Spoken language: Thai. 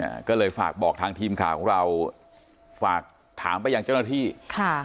อ่าก็เลยฝากบอกทางทีมข่าวของเราฝากถามไปยังเจ้าหน้าที่ค่ะ